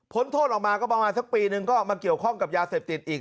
โทษออกมาก็ประมาณสักปีนึงก็มาเกี่ยวข้องกับยาเสพติดอีก